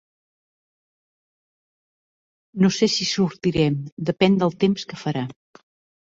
No sé si sortirem: depèn del temps que farà.